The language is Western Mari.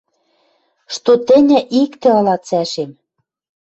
Что тӹньӹ иктӹ ылат цӓшем